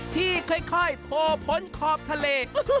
ที่ค่อยโผล่พ้นขอบทะเล